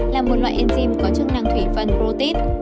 là một loại enzim có chức năng thủy phân protit